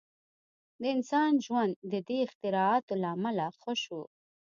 • د انسان ژوند د دې اختراعاتو له امله ښه شو.